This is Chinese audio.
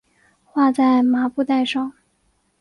画在麻布袋上